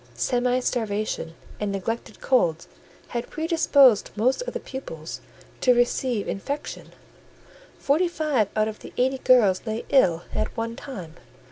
Semi starvation and neglected colds had predisposed most of the pupils to receive infection: forty five out of the eighty girls lay ill at one time.